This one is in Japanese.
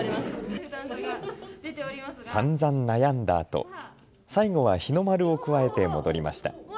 さんざん悩んだあと、最後は日の丸をくわえて戻りました。